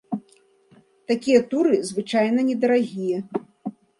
Такія туры звычайна недарагія.